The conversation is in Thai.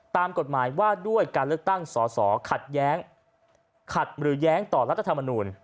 ตามกฎหมายว่าด้วยการเลือกตั้งสอสอขัดแย้งต่อรัฐธรรมนุน